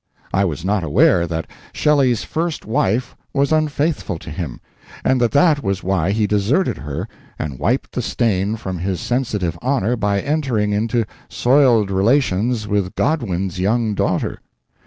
I was not aware that Shelley's first wife was unfaithful to him, and that that was why he deserted her and wiped the stain from his sensitive honor by entering into soiled relations with Godwin's young daughter.